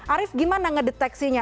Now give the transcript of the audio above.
arief gimana ngedeteksinya